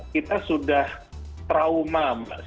kita sudah trauma